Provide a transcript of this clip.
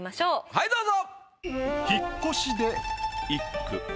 はいどうぞ。